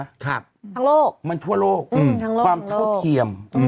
ทั้งโลกมันทั่วโลกอืมทั้งโลกความเท่าเทียม